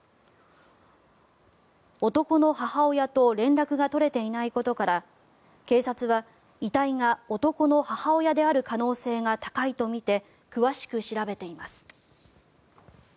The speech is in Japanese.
男の母親と連絡が取れていないことから警察は遺体が男の母親である可能性が高いとみて詳しく調べています。